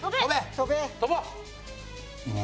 「飛ぼう！」